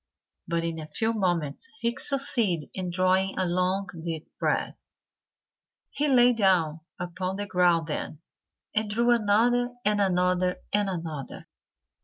But in a few moments he succeeded in drawing a long, deep breath. He lay down upon the ground then and drew another and another and another.